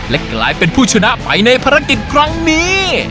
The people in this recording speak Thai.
และกลายเป็นผู้ชนะไปในภารกิจครั้งนี้